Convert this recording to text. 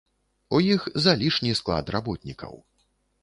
У іх залішні склад работнікаў.